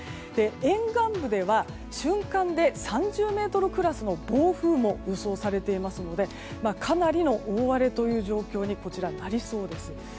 沿岸部では瞬間で３０メートルクラスの暴風も予想されていますのでかなりの大荒れという状況にこちら、なりそうです。